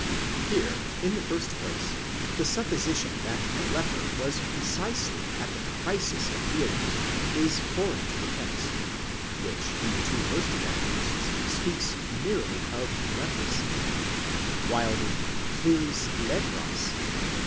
* Here, in the first place, the supposition that the leper was precisely at the crisis of healing is foreign to the text, which in the two first Evangelists speaks merely of leprosy, while the ivan λέπρας͵ of the.